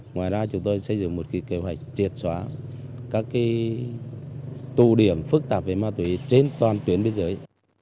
ngoài ra chúng tôi xây dựng một kế hoạch triệt xóa các tụ điểm phức tạp về ma túy trên toàn tuyến biên giới